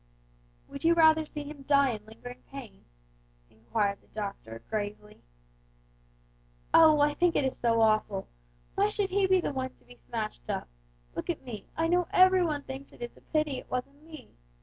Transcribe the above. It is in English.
"Would you rather see him die in lingering pain?" enquired the doctor, gravely. "Oh, I think it so awful! Why should he be the one to be smashed up. Look at me! I know everybody thinks it a pity it wasn't me.